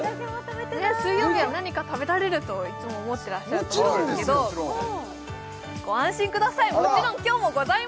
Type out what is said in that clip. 水曜日は何か食べられるといつも思ってらっしゃると思うんですけどご安心ください